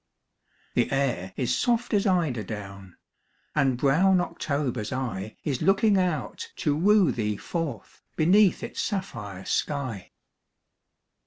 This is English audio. The air is soft as eider down ; And brown October's eye Is looking out to woo thee forth Beneath its sapphire sky.